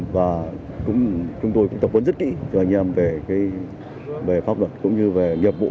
và chúng tôi cũng tập huấn rất kỹ cho anh em về pháp luật cũng như về nghiệp vụ